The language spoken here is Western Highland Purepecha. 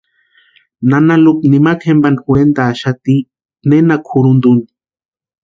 Nana Lupa nimakwa jempani jorhentʼaxati nena kʼurhunta úni.